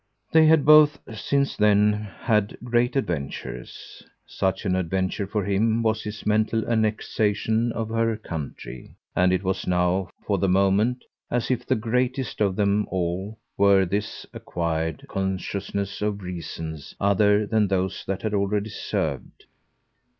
They had both since then had great adventures such an adventure for him was his mental annexation of her country; and it was now, for the moment, as if the greatest of them all were this acquired consciousness of reasons other than those that had already served.